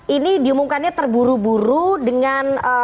ini diumumkannya terburu buru dengan